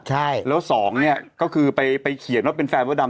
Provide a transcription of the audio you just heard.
ใช่แล้วสองเนี่ยก็คือไปเขียนว่าเป็นแฟนมดดำ